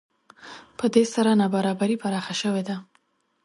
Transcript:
په دې سره نابرابري پراخه شوې ده